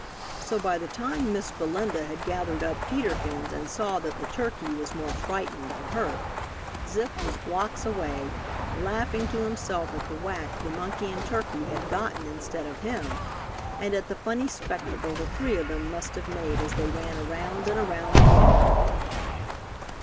So by the time Miss Belinda had gathered up Peter Kins and saw that the turkey was more frightened than hurt, Zip was blocks away, laughing to himself at the whack the monkey and turkey had gotten instead of him, and at the funny spectacle the three of them must have made as they ran around and around the yard.